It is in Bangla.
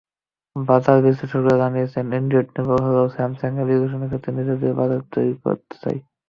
বাজার বিশ্লেষকেরা জানিয়েছেন, অ্যান্ড্রয়েডনির্ভর হলেও স্যামসাং অ্যাপ্লিকেশনের ক্ষেত্রে নিজেদের বাজার তৈরি করতে চায়।